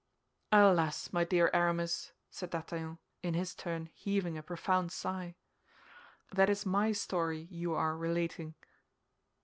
"Alas, my dear Aramis," said D'Artagnan, in his turn heaving a profound sigh, "that is my story you are relating!"